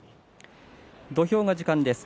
土俵が時間です。